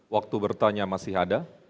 waktu bertanya masih ada